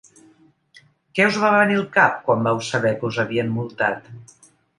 Què us va venir al cap quan vau saber que us havien multat?